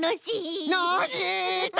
ノージーっと。